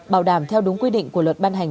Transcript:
bảo đảm theo đúng quy định của luật ban hành